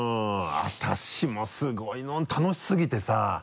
私もすごい楽しすぎてさ。